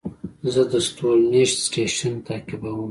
زه د ستورمېشت سټېشن تعقیبوم.